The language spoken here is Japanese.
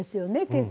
結構。